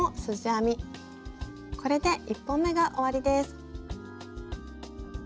これで１本めが終わりです。